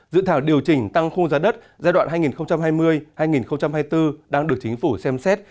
dự thảo điều chỉnh tăng khuôn giá đất giai đoạn hai nghìn hai mươi hai nghìn hai mươi bốn đang được chính phủ xem xét